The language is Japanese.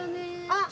あっ！